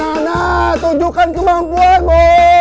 ayo nana tunjukkan kemampuanmu